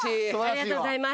ありがとうございます。